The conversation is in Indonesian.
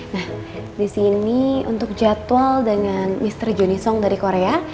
nah di sini untuk jadwal dengan mr joni song dari korea